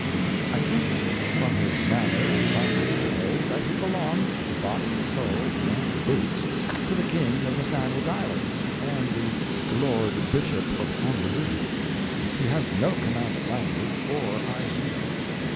I think, from his manner and language to day, that he belongs, body and soul, and boots, to the King of the Sandwich Islands and the "Lord Bishop of Honolulu." He has no command of language—or ideas.